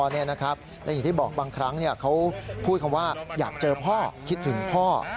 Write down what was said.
และอย่างที่บอกบางครั้งเขาพูดคำว่าอยากเจอพ่อคิดถึงพ่อ